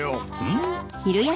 うん？